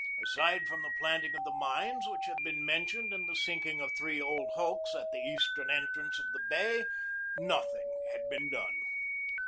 Aside from the planting of the mines which have been mentioned and the sinking of three old hulks at the eastern entrance of the bay, nothing had been done.